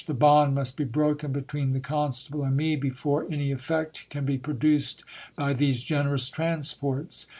The bond must be broken between the constable and me, before y effect can be produced by these generous transports.